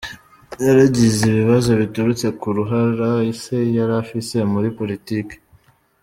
Yaragize ibibazo biturutse ku ruhara se yarafise muri politike.